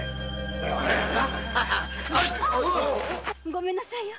ごめんなさいよ。